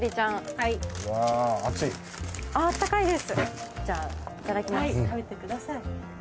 はい食べてください。